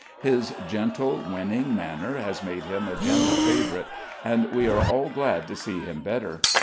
His gentle, winning manner has made him a general favorite, and we are all glad to see him better.